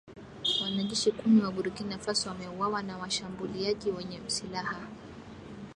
Wanajeshi kumi wa Burkina Faso wameuawa na washambuliaji wenye silaha